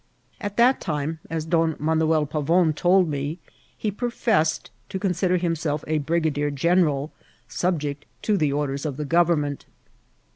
At that time, as Don Manuel Pavon told me, he pro fessed to consider himself a brigadier general, subject to the orders of the government.